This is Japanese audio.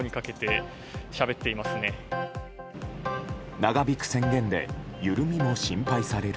長引く宣言で緩みも心配される